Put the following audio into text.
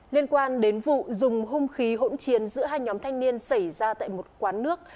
liên quan đến vụ dùng hung khí hỗn chiến giữa hai nhóm thanh niên xảy ra tại một quán nước